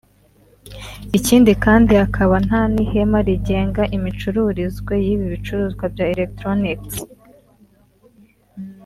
ikindi kandi hakaba nta n’ihame rigenga imicururizwe y’ibi bicuruzwa bya electronics